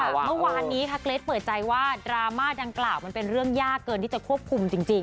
แล้ววันนี้เกรสเปลี่ยนใจว่าดราม่าดังกล่าวเป็นเรื่องยากเกินที่จะควบคุมจริง